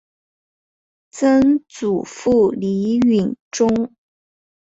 曾祖父李允中。